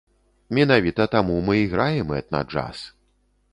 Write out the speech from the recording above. Менавіта таму мы і граем этна-джаз.